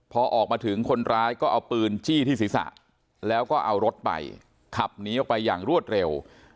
พอออกมาถึงคนร้ายก็เอาปืนจี้ที่ศีรษะแล้วก็เอารถไปขับหนีออกไปอย่างรวดเร็ว